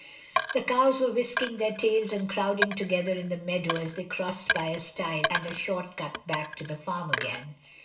The cows were whisking their tails and crowding together in the meadow as they crossed by a stile and a short cut back to the farm again.